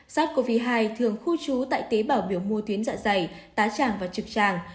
sars cov hai thường khu trú tại tế bào biểu mô tuyến dạ dày tá tràng và trực tràng